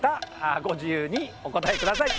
ご自由にお答えください。